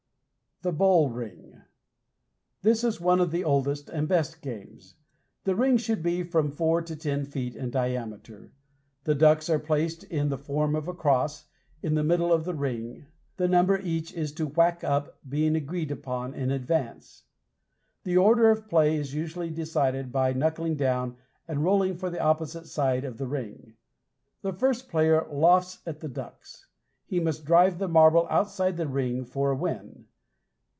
THE BULL RING This is one of the oldest and best games. The ring should be from four to ten feet in diameter. The ducks are placed in the form of a cross, in the middle of the ring, the number each is to "whack up" being agreed upon in advance. The order of play is usually decided on by knuckling down and rolling for the opposite side of the ring. The first player "lofts" at the ducks. He must drive the marble outside the ring for a win.